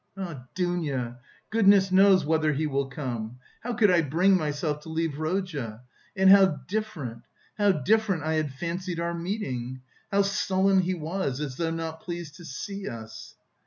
"Ah. Dounia, goodness knows whether he will come! How could I bring myself to leave Rodya?... And how different, how different I had fancied our meeting! How sullen he was, as though not pleased to see us...."